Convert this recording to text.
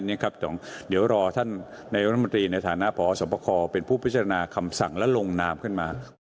นี่ครับเดี๋ยวรอท่านนายวัฒนาบันตรีในฐานะพศพเป็นผู้พิจารณาคำสั่งและลงนามขึ้นมา